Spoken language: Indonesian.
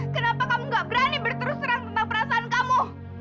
kenapa kamu gak berani berterus terang tentang perasaan kamu